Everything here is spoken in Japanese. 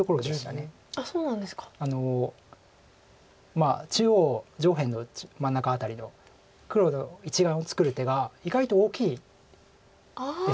まあ中央上辺の真ん中辺りの黒の１眼を作る手が意外と大きいです。